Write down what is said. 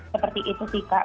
seperti itu sih kak